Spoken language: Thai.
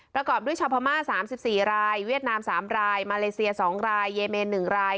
ประกอบด้วยชาวพม่า๓๔รายเวียดนาม๓รายมาเลเซีย๒รายเยเมน๑ราย